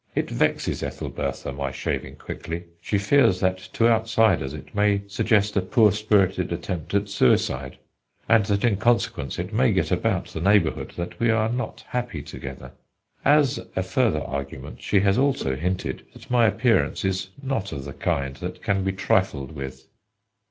It vexes Ethelbertha my shaving quickly. She fears that to outsiders it may suggest a poor spirited attempt at suicide, and that in consequence it may get about the neighbourhood that we are not happy together. As a further argument, she has also hinted that my appearance is not of the kind that can be trifled with.